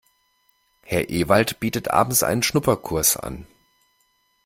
Herr Ewald bietet abends einen Schnupperkurs an.